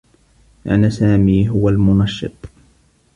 كان سامي هو المنشّط.